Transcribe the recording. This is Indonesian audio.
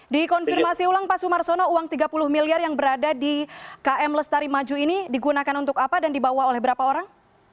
dikonfirmasi ulang pak sumarsono uang tiga puluh miliar yang berada di km lestari maju ini digunakan untuk apa dan dibawa oleh berapa orang